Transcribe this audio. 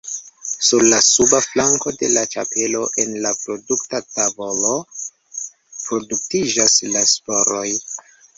Sur la suba flanko de la ĉapelo, en la produkta tavolo, produktiĝas la sporoj.